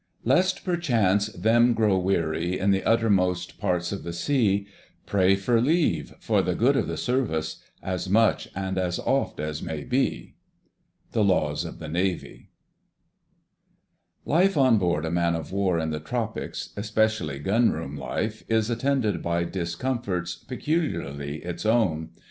Lest perchance them grow weary In the uttermost parts of the Sea, Pray for leave, for the good of the Service, As much and as oft as may be." —The Laws of the Navy. Life on board a man of war in the tropics, especially Gunroom life, is attended by discomforts peculiarly its own.